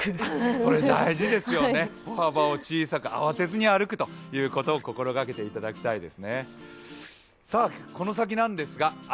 それ大事ですよね、歩幅を小さく慌てずに歩くということを心がけていただきたいです。